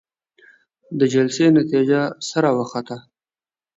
د جلسې نتيجه څه راوخته؟